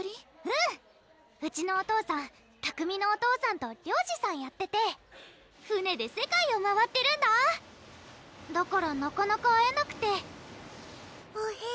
うんうちのお父さん拓海のお父さんと漁師さんやってて船で世界を回ってるんだだからなかなか会えなくてほへ！